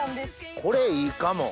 これいいかも！